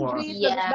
bagus bagus gitu ya